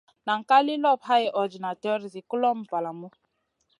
Nan ka li lop hay ordinater zi kulomʼma valamu.